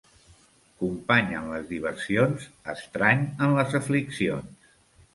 Company en les diversions, estrany en les afliccions.